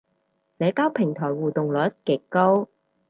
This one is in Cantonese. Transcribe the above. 社交平台互動率極高